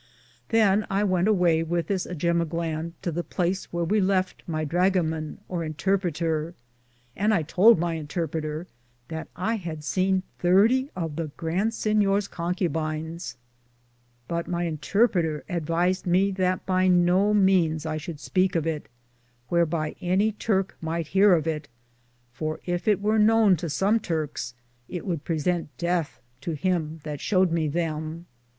Than I wente awaye with this Jemoglane to the place wheare we lefte my drugaman or intarpreter, and I tould my intarpreter that I had sene 30 of the Grand Sinyores Concobines ; but my intarpreter advised me that by no meanes I should speake of it, whearby any Turke myghte hear of it ; for if it weare knowne to som Turks, it would presente deathe to him that showed me them.